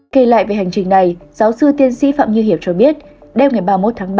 kể lại về hành trình này giáo sư tiên sĩ phạm như hiệp cho biết đêm ngày ba mươi một tháng ba